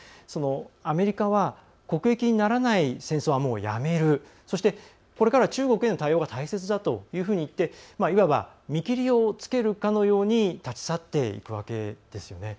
アメリカは国益にならない戦争はもうやめる、そしてこれからは中国への対応が大切だというふうに言っていわば見切りをつけるかのように立ち去っていくわけですよね。